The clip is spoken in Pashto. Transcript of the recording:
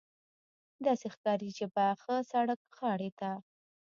داسې ښکاري چې د پاخه سړک غاړې ته.